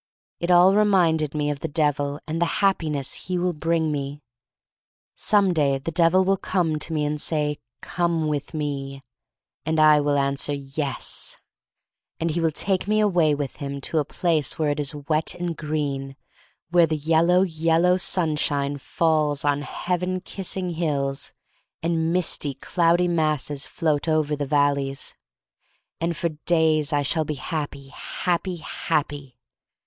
It all reminded me of the Devil and the Happiness he will bring me. Some day the Devil will come to me and say: "Come with me." And I will answer: "Yes." And he will take me away with him to a place where it is wet and green — where the yellow, yellow sunshine falls 151 152 THE STORY OF MARY MAC LANE on heaven kissing hills, and misty, cloudy masses float over the valleys. And for days I shall be happy — happy — happy!